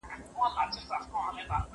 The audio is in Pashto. صدقه د الله لویه نېکي ده.